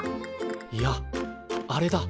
いやあれだ。